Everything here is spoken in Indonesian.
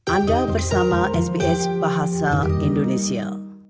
anda bersama sbs bahasa indonesia